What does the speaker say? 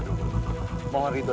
kok malah tidur